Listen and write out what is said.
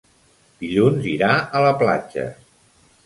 Dilluns irà a la platja.